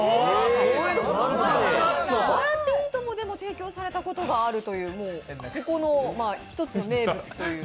「笑っていいとも！」でも提供されたことかあるという、ここの１つの名物という。